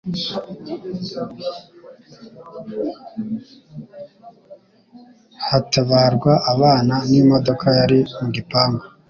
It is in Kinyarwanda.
hatabarwa abana n'imodoka yari mu gipangu